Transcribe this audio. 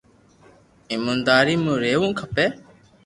ايمونداري مون رھيوُ کپي